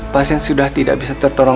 pasien sudah tidak bisa tertolong